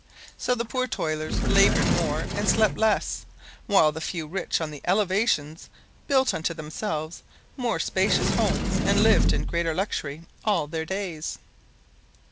So the poor toilers labored more and slept less, while the few rich on the elevations built unto themselves more spacious homes and lived in greater luxury all their days.